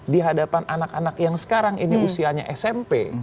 di hadapan anak anak yang sekarang ini usianya smp